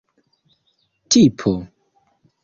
tipo